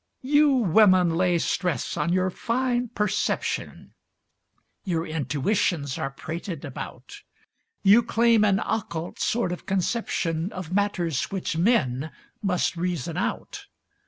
You women lay stress on your fine perception, Your intuitions are prated about; You claim an occult sort of conception Of matters which men must reason out.